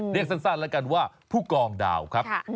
เรียกสั้นแล้วกันว่าผู้กองดาวครับ